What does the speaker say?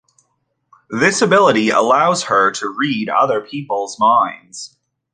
This ability allows her to read other people's minds.